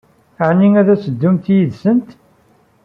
Ɛni ad teddumt yid-sent?